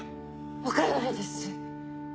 分からないです。